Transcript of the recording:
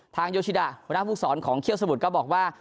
ทางโยชิดะหัวหน้าภูกษรของเคี้ยวสมุทรก็บอกว่า